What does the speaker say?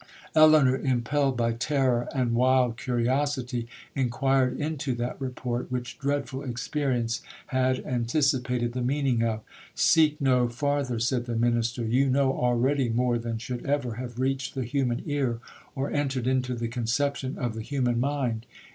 'Elinor, impelled by terror and wild curiosity, inquired into that report which dreadful experience had anticipated the meaning of. 'Seek no farther,' said the minister, 'you know already more than should ever have reached the human ear, or entered into the conception of the human mind.